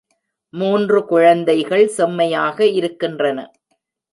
மூன்று குழந்தைகள் செம்மையாக இருக்கின்றன.